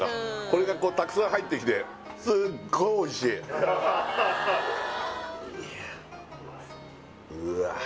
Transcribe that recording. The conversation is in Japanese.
これがこうたくさん入ってきてすっごいおいしいうわ